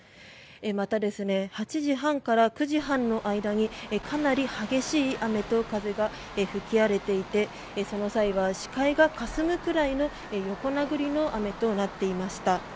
また、８時半から９時半の間にかなり激しい雨と風が吹き荒れていてその際は視界がかすむくらいの横殴りの雨となっていました。